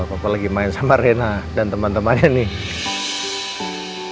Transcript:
papa lagi main sama rena dan teman temannya nih